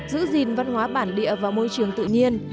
giữ gìn văn hóa bản địa và môi trường tự nhiên